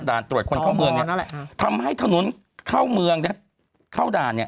ด่านตรวจคนเข้าเมืองทำให้ถนนเข้าเมืองเข้าด่าน